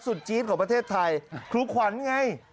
จี๊ดของประเทศไทยครูขวัญไง